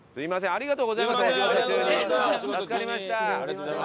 ありがとうございます。